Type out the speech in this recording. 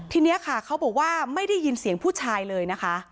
ทีนี้ค่ะเขาบอกว่าไม่ได้ยินเสียงผู้ชายเลยนะคะ